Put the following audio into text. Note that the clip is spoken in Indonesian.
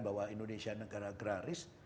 bahwa indonesia negara agraris